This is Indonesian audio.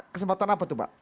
kesempatan apa tuh pak